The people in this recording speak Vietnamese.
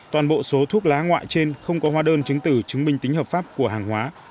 toàn bộ số thuốc lá ngoại trên không có hóa đơn chứng tử chứng minh tính hợp pháp của hàng hóa